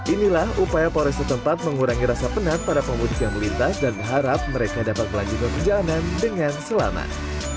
inilah upaya polres setempat mengurangi rasa penat pada pemudik yang melintas dan berharap mereka dapat melanjutkan perjalanan dengan selamat